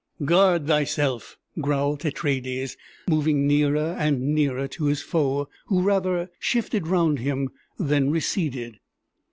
"Guard thyself!" growled Tetraides, moving nearer and nearer to his foe, who rather shifted round him than receded.